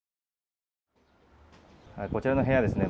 こちらの部屋ですね。